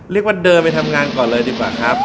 เรียกว่าเดินไปทำงานก่อนเลยดีกว่าครับ